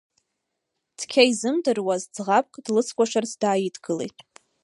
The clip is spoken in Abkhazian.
Цқьа изымдыруаз ӡӷабк длыцкәашарц дааидгылеит.